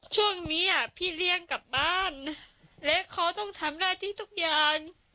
ช่วงนี้พี่เลี่ยงกลับบ้านและเขาต้องทำหน้าที่ทุกอย่าง